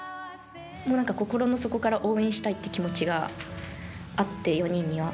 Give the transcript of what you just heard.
もうなんか心の底から応援したいっていう気持ちがあって、４人には。